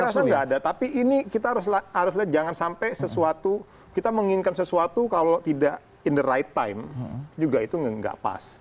saya rasa nggak ada tapi ini kita harus lihat jangan sampai sesuatu kita menginginkan sesuatu kalau tidak in the right time juga itu nggak pas